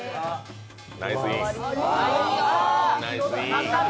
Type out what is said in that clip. ナイス・イン！